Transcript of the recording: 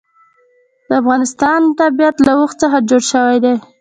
د افغانستان طبیعت له اوښ څخه جوړ شوی دی.